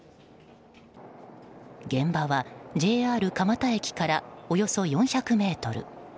現場は、ＪＲ蒲田駅からおよそ４００ｍ。